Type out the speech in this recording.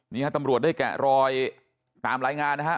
ตำรวจได้แกะรอยตามรายงานนะฮะ